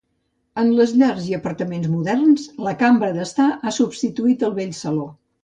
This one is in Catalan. En les llars i apartaments moderns la cambra d'estar ha substituït el vell saló.